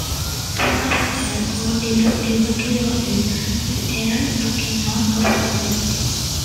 Soon after birth, Ward developed tuberculosis; his parents took him north of Sault Ste.